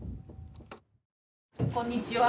こんにちは。